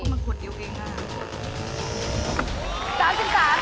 มันขวดเดียวเองอะ